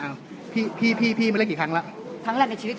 อ้าวพี่พี่พี่พี่มาเล่นกี่ครั้งล่ะครั้งแรกในชีวิต